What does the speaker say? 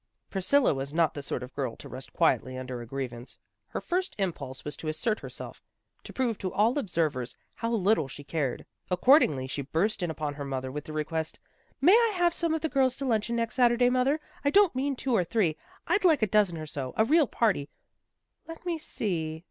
Priscilla was not the sort of girl to rest quietly under a grievance. Her first impulse was to assert herself, to prove to all observers how little she cared. Accordingly she burst in upon her mother with the request, " May I have some of the girls to luncheon next Satur day, mother? I don't mean two or three; I'd like a dozen or so, a real party "" Let me see."